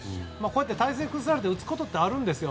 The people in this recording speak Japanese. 体勢を崩されても打つことってあるんですよ。